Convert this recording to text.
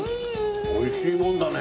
美味しいもんだね。